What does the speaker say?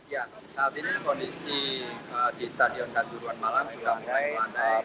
ya saat ini kondisi di stadion kanjuruan malang sudah mulai melandai